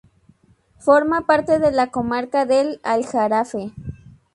Forma parte de la comarca del Aljarafe.